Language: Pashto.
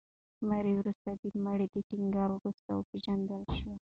ماري وروسته د مېړه د ټینګار وروسته وپېژندل شوه.